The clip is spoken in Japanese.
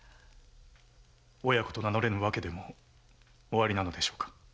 親子と名乗れぬわけでもおありなのでしょうか？